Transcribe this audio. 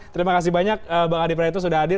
terima kasih banyak bang adi praetno sudah hadir